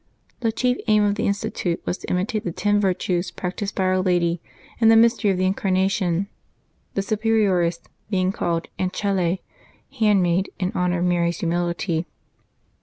The chief aim of the institute was to imitate the ten virtues practised by Our Lady in the mystery of the Incarnation, the superioress being called " Ancelle," handmaid, in honor of Mary's humility.